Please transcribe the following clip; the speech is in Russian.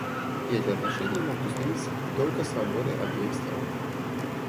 И эти отношения могут установиться только свободой обеих сторон.